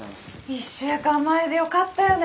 １週間前でよかったよね。